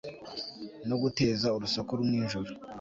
no guteza urusaku nijoro